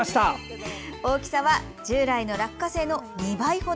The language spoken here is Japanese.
大きさは従来の落花生の２倍程。